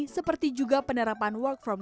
seperti juga penerapan work from